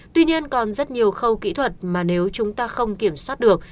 tuy nhiên còn rất nhiều khâu kỹ thuật mà nếu chúng ta không kiểm soát được